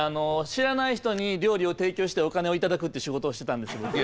知らない人に料理を提供してお金を頂くって仕事をしてたんですけども。